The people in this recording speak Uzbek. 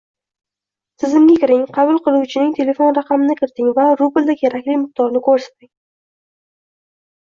Tizimga kiring, qabul qiluvchining telefon raqamini kiriting va rublda kerakli miqdorni ko'rsating